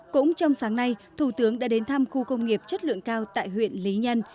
cũng trong sáng nay thủ tướng đã đến thăm khu công nghiệp chất lượng cao tại huyện lý nhân